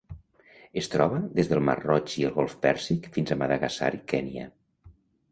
Es troba des del Mar Roig i el Golf Pèrsic fins a Madagascar i Kenya.